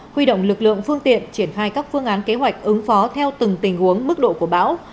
huy động lực lượng phương tiện triển khai các phương án kế hoạch ứng phó theo từng tình huống mức độ của bão